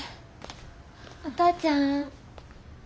お父ちゃん？